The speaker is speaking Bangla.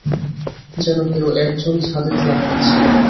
যেন কেউ-এক জন ছাদে লাফাচ্ছে।